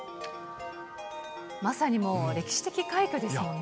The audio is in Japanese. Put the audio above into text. まさに歴史的快挙ですもんね。